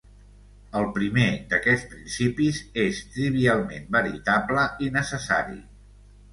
El primer d'aquests principis és trivialment veritable i necessari.